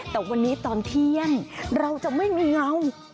แต่วันนี้ตอนเที่ยงเราจะไม่มีเงา